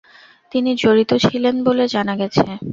তিনি জড়িত ছিলেন বলে জানা গেছে।